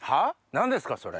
何ですかそれ。